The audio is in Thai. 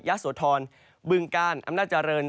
ยาสวทรบึงกาลอำนาจรรย์